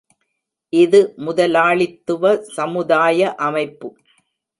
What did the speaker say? இது முதலாளித்துவ சமுதாய அமைப்பு.